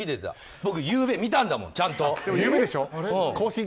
僕、ゆうべ見たんだもんちゃんと。